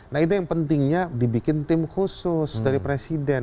nah itu yang pentingnya dibikin tim khusus dari presiden